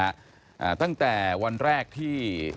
อ่าตั้งแต่วันแรกที่